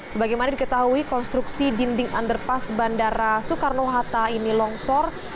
sebagaimana diketahui konstruksi dinding underpass bandara soekarno hatta ini longsor